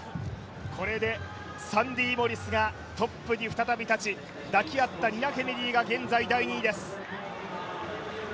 これでサンディ・モリスがトップに立ち抱き合ったニナ・ケネディが現在第２位です。